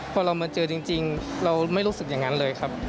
พอเรามาเจอจริงเราไม่รู้สึกอย่างนั้นเลยครับ